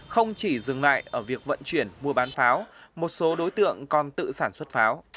không chỉ dừng lại ở việc vận chuyển mua bán pháo một số đối tượng còn tự sản xuất pháo